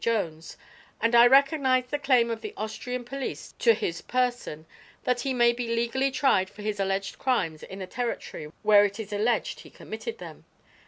Jones,' and I recognize the claim of the Austrian police to his person, that he may be legally tried for his alleged crimes in the territory where it is alleged he committed them.